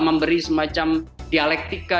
memberi semacam dialektika